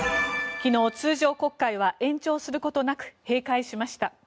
昨日、通常国会は延長することなく閉会しました。